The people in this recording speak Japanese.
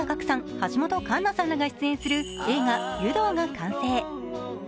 橋本環奈さんらが出演する映画「湯道」が完成。